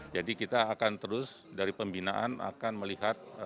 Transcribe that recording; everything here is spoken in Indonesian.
jadi kita akan terus dari pembinaan akan melihat